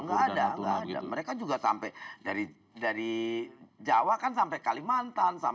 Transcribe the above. enggak enggak ada mereka juga sampai dari jawa kan sampai kalimantan